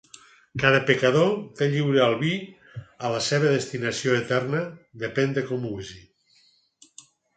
Cada pecador té lliure albir i la seva destinació eterna depèn de com ho usi.